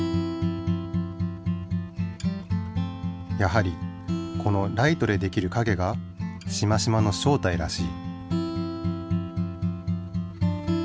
やはりこのライトでできるかげがしましまの正体らしい。